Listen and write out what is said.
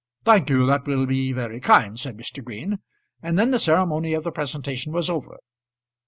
"Thank you; that will be very kind," said Mr. Green, and then the ceremony of the presentation was over.